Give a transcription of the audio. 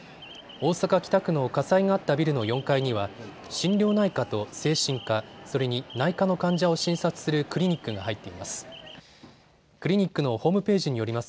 大阪北区の火災があったビルの４階には心療内科と精神科、それに内科の患者を診察するクリニックが入っています。